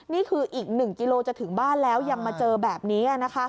นี่คืออีก๑กิโลจะถึงบ้านแล้วยังมาเจอแบบนี้